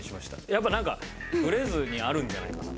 やっぱなんかブレずにあるんじゃないかな。